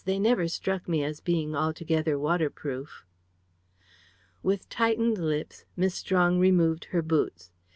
They never struck me as being altogether waterproof." With tightened lips Miss Strong removed her boots.